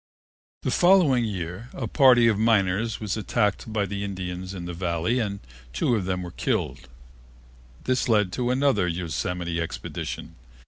The following year a party of miners was attacked by the Indians in the Valley and two of them were killed. This led to another Yosemite expedition.